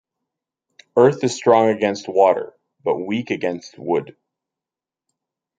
Earth is strong against water, but weak against wood.